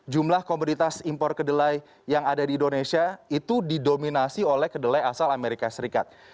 jumlah komoditas impor kedelai yang ada di indonesia itu didominasi oleh kedelai asal amerika serikat